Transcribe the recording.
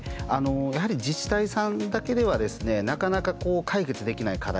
やはり自治体さんだけではですねなかなか解決できない課題